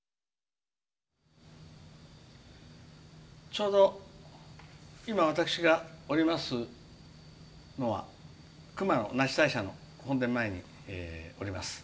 ちょうど今私がおりますのは熊野那智大社の本殿前におります。